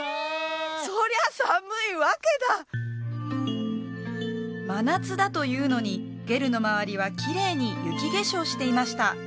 そりゃ寒いわけだ真夏だというのにゲルの周りはきれいに雪化粧していました